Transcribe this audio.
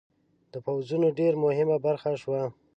د پوځونو ډېره مهمه برخه شوه.